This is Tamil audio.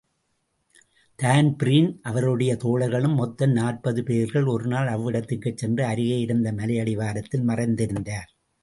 தான்பீரீனும் அவனுடைய தோழர்களும் மொத்தம் நாற்பது பேர்கள் ஒரு நாள் அவ்விடதிற்குச் சென்று அருகே இருந்த மலையடிவாரத்தில் மறைந்திருந்தார்.